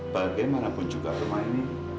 bagaimanapun juga rumah ini